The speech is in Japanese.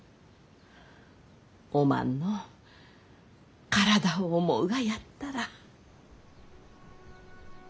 おまんの体を思うがやったら。